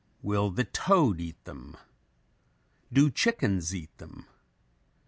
Will the toad eat them? Do chickens eat them?